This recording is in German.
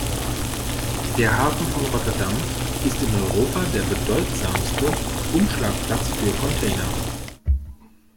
Der Hafen von Rotterdam ist in Europa der bedeutsamste Umschlagplatz für Container.